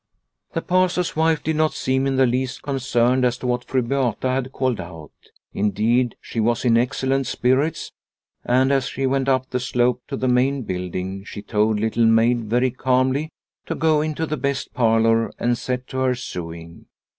The Pastor's wife did not seem in the least concerned as to what Fru Beata had called out. Indeed, she was in excellent spirits, and as she went up the slope to the main building she told Little Maid very calmly to go into the best parlour and set to her sewing.